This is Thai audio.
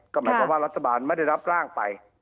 ก็หมายความว่ารัฐบาลไม่ได้รับร่างไป